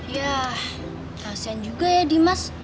yah kasihan juga ya dimas